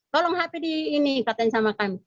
tolong hp di ini katanya sama kami